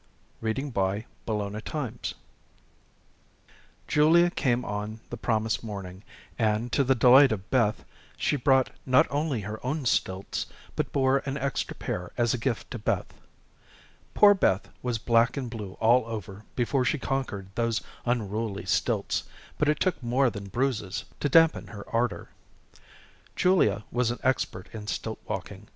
CHAPTER V Walking on Stilts Julia came on the promised morning, and, to the delight of Beth, she brought not only her own stilts, but bore an extra pair as a gift to Beth. Poor Beth was black and blue all over before she conquered those unruly stilts, but it took more than bruises to dampen her ardor. Julia was an expert in stilt walking.